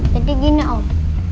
jadi gini om